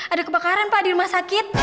ada kebakaran pak di rumah sakit